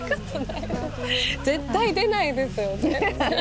絶対出ないですよね。